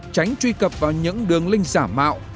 tránh truy cập vào những đường linh giả mạo